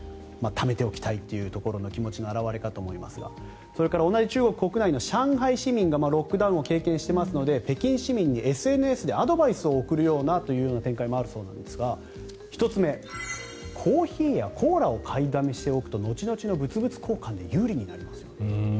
ためておきたいというところの気持ちの表れかと思いますが同じ中国国内の上海市民がロックダウンを経験していますから北京市民にＳＮＳでアドバイスを送るような展開もあるんですが１つめ、コーヒーやコーラを買いだめしておくと後々の物々交換で有利になりますよと。